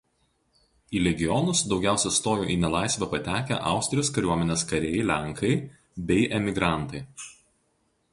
Į legionus daugiausia stojo į nelaisvę patekę Austrijos kariuomenės kariai lenkai bei emigrantai.